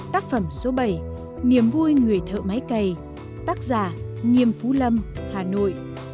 tác phẩm số bảy niềm vui người thợ máy cày tác giả nghiêm phú lâm hà nội